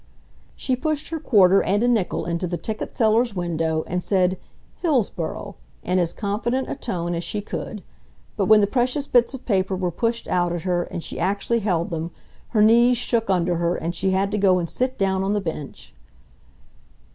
She pushed her quarter and a nickel into the ticket seller's window and said "Hillsboro" in as confident a tone as she could; but when the precious bits of paper were pushed out at her and she actually held them, her knees shook under her and she had to go and sit down on the bench.